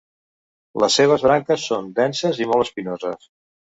Les seves branques són denses i molt espinoses.